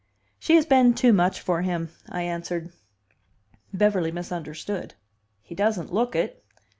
"She has been too much for him," I answered. Beverly misunderstood. "He doesn't look it."